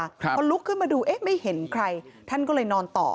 พอลุกขึ้นมาดูเอ๊ะไม่เห็นใครท่านก็เลยนอนต่อ